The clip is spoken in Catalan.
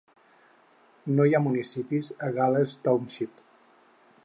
No hi ha municipis a Gales Township.